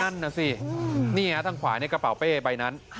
นั่นน่ะสินี่ฮะทางขวาในกระเป๋าเป้ใบนั้น